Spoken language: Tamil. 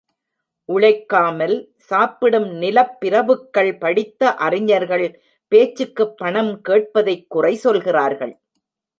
உழைக்காமல் சாப்பிடும் நிலப்பிரபுக்கள், படித்த அறிஞர்கள், பேச்சுக்குப் பணம் கேட்பதைக் குறை சொல்கிறார்கள்.